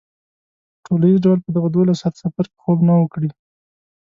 په ټولیز ډول په دغه دولس ساعته سفر کې خوب نه و کړی.